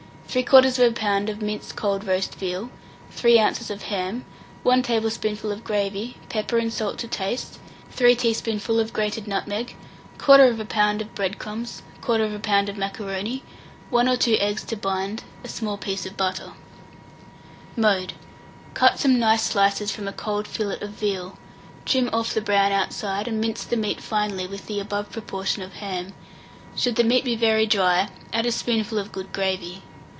3/4 lb. of minced cold roast veal, 3 oz. of ham, 1 tablespoonful of gravy, pepper and salt to taste, 3 teaspoonful of grated nutmeg, 1/4 lb. of bread crumbs, 1/4 lb. of macaroni, 1 or 2 eggs to bind, a small piece of butter. Mode. Cut some nice slices from a cold fillet of veal, trim off the brown outside, and mince the meat finely with the above proportion of ham: should the meat be very dry, add a spoonful of good gravy.